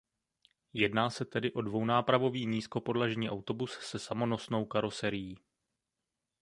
Jedná se tedy o dvounápravový nízkopodlažní autobus se samonosnou karoserií.